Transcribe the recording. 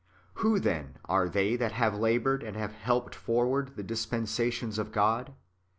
^ Who, then, are they that have laboured, and have helped forward the dispensations of God